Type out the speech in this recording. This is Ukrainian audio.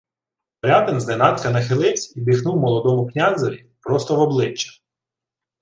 Морятин зненацька нахиливсь і дихнув молодому князеві просто в обличчя: